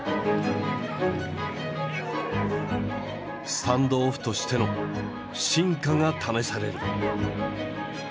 スタンドオフとしての真価が試される。